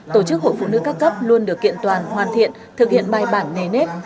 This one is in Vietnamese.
tổ chức hội phụ nữ các cấp luôn được kiện toàn hoàn thiện thực hiện bài bản nề nếp